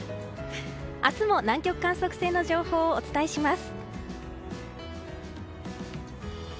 明日も南極観測船の情報をお伝えします。